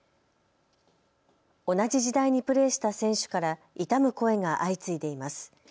同じ時代にプレーした選手から悼む声が相次いでいます。